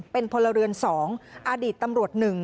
เป็นพลเรือน๒อดีตตำรวจ๑